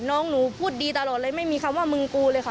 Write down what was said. น้องหนูพูดดีตลอดเลยไม่มีคำว่ามึงกูเลยค่ะ